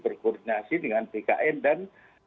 berkoordinasi dengan bkn dan